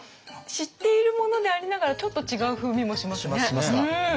知っているものでありながらちょっと違う風味もしますね。